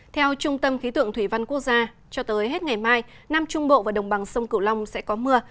theo trung tâm khí tượng thủy văn quốc gia cho tới hết ngày mai nam trung bộ và đồng bằng sông cửu long sẽ có mưa